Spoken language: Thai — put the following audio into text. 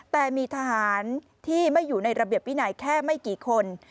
แต่มีทหารที่ไม่อยู่ในระเบียบวินัยแค่ไม่กี่คน